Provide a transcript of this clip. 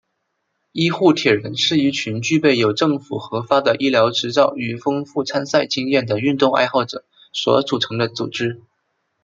医护铁人是一群具备有政府核发的医疗执照与丰富参赛经验的运动爱好者所组成的组织。